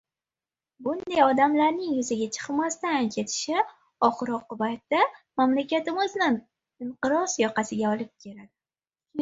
Bunday odamlarning yuzaga chiqmasdan ketishi, oxir-oqibatda, mamlakatimizni nnqiroz yoqasiga olib keldi.